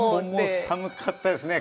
寒かったですよね。